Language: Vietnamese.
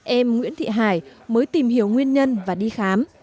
em nguyễn thị hải mới tìm hiểu nguyên nhân và đi khám